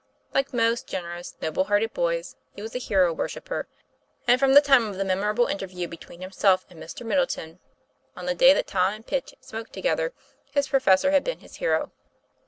Like most generous, noble hearted boys, he was a hero worshipper ; and from the time of the memorable interview between himself and Mr. Middleton, on the day that Tom and Pitch smoked together, his professor had been his hero.